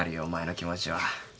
お前の気持ちは。